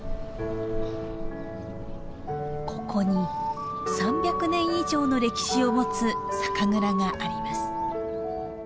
ここに３００年以上の歴史を持つ酒蔵があります。